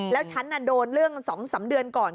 แล้วฉันโดนเรื่อง๒๓เดือนก่อน